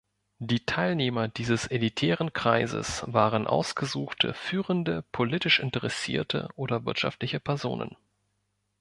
Die Teilnehmer dieses elitären Kreises waren ausgesuchte, führende politisch interessierte oder wirtschaftliche Personen.